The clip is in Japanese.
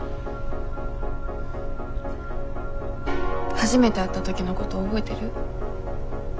初めて会った時のこと覚えてる？